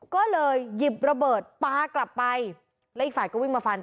ก็เลยหยิบระเบิดปลากลับไปแล้วอีกฝ่ายก็วิ่งมาฟัน